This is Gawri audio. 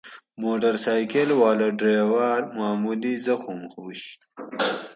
موٹر سائکل والہ ڈرائور معمولی زخم ھوُش